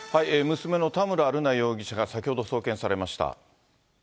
娘の田村瑠奈容疑者が先ほど送検されました。